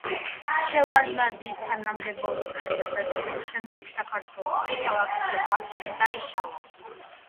შევარდნაძის თანამდებობიდან გადადგომის შემდეგ საქართველოს მოქალაქეთა კავშირი დაიშალა.